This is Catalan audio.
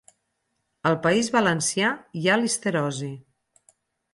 Al País Valencià hi ha listeriosi